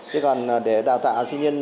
thế còn để đào tạo sinh viên